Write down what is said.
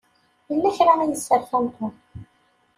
Yella kra i yesserfan Tom.